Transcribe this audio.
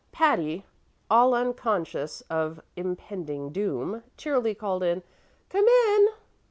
Patty, all unconscious of impending doom, cheerily called, "Come in!"